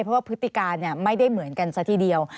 เพราะว่าพฤติการไม่ได้เหมือนกันซะทีเดียว